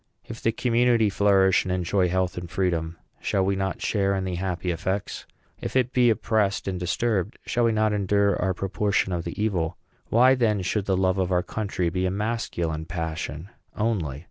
If the community flourish and enjoy health and freedom, shall we not share in the happy effects? If it be oppressed and disturbed, shall we not endure our proportion of the evil? Why, then, should the love of our country be a masculine passion only?